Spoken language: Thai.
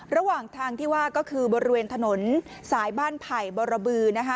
ระหว่างทางที่ว่าก็คือบริเวณถนนสายบ้านไผ่บรบือนะคะ